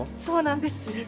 そうなんです。